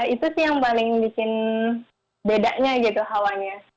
itu sih yang paling bikin bedanya gitu hawanya